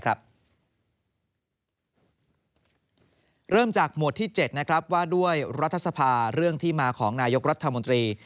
เริ่มจากหมวดที่๗ว่าด้วยรัฐสภาเรื่องที่มาของนายกรัฐมนตรี